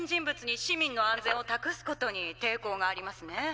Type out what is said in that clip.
市民の安全を託すことに抵抗がありますね」。